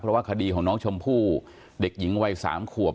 เพราะว่าคดีของน้องชมพู่เด็กหญิงวัย๓ขวบ